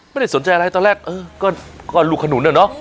ไม่ได้สนใจอะไรตอนแรกเออก็ลูกขนุนอะเนาะ